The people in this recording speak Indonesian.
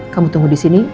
kamu tunggu di sini